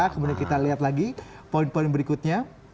kemudian kita lihat lagi poin poin berikutnya